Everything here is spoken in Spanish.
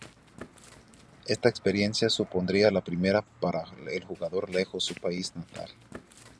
Esta experiencia supondría la primera para el jugador lejos su país natal.